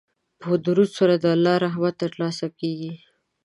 په درود سره د الله رحمت ترلاسه کیږي.